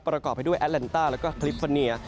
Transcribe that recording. ประกอบไปด้วยแอดแลนต้าแล้วก็คลิฟฟอร์เนีย